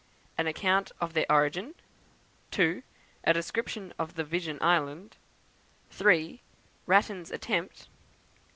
An Account of their Origin; 2. A Description of Vision Island; 3. Ratten's Attempt; 4.